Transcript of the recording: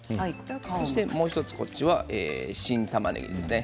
そして、もう１つ新たまねぎですね。